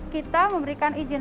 kita memberikan izin